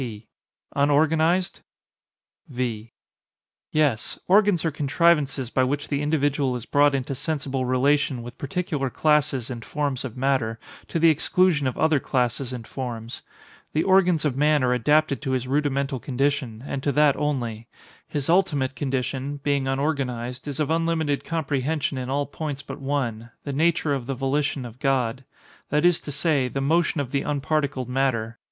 P. Unorganized? V. Yes; organs are contrivances by which the individual is brought into sensible relation with particular classes and forms of matter, to the exclusion of other classes and forms. The organs of man are adapted to his rudimental condition, and to that only; his ultimate condition, being unorganized, is of unlimited comprehension in all points but one—the nature of the volition of God—that is to say, the motion of the unparticled matter.